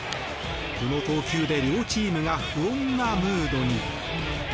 この投球で両チームが不穏なムードに。